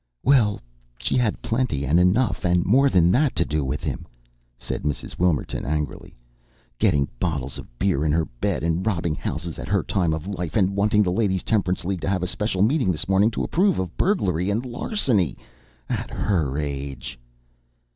"Well, she had plenty, and enough, and more than that to do with him," said Mrs. Wilmerton angrily. "Getting bottles of beer in her bed, and robbing houses at her time of life, and wanting the Ladies' Temperance League to have a special meeting this morning to approve of burglary and larceny! At her age!"